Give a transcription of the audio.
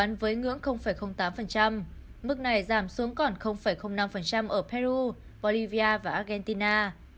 với ngưỡng tám mức này giảm xuống còn năm ở peru bolivia và argentina